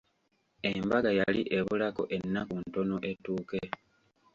Embaga yali ebulako ennaku ntono etuuke.